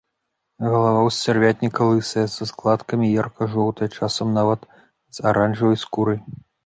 Галава ў сцярвятніка лысая, са складкамі, і ярка-жоўтая, часам нават з аранжавай скурай.